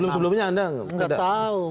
sebelumnya anda nggak tahu